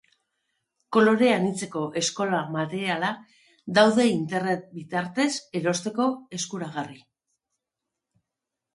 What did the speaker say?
Kolore anitzetako eskola-materiala daude internet bidez erosteko eskuragarri.